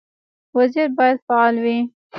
وزیر باید فعال وي